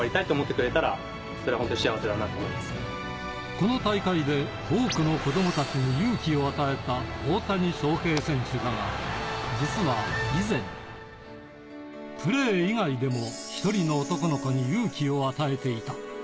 この大会で多くの子どもたちに勇気を与えた大谷翔平選手だが、実は以前、プレー以外でも１人の男の子に勇気を与えていた。